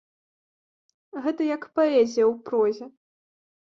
Гэта як паэзія ў прозе.